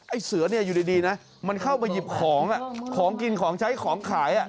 ไอ้เสือเนี่ยอยู่ดีนะมันเข้าไปหยิบของของกินของใช้ของขาย